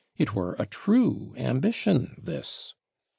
It were a true ambition this!